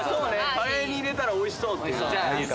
カレーに入れたらおいしそうなやつとか。